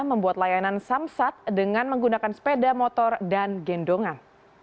membuat layanan samsat dengan menggunakan sepeda motor dan gendongan